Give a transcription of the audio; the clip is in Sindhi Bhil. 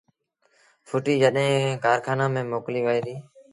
ڦُٽيٚ جڏهيݩ کآرکآݩآݩ ميݩ موڪليٚ وهي ديٚ